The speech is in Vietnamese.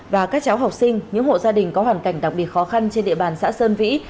và các cháu học sinh những hộ gia đình có hoàn cảnh đặc biệt khó khăn trên địa bàn xã sơn vĩ